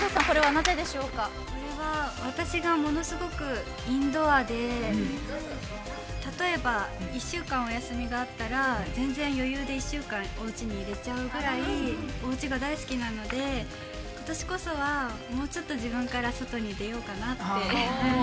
これは、私がものすごくインドアで例えば、１週間お休みがあったら、全然余裕で１週間おうちにいれちゃうぐらいおうちが大好きなので今年こそはもうちょっと自分から外に出ようかなって。